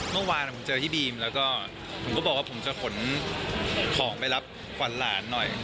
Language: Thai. เมื่อวานผมเจอพี่บีมแล้วก็ผมก็บอกว่าผมจะขนของไปรับขวัญหลานหน่อย